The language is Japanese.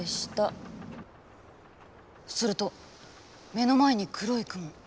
すると目の前に黒い雲。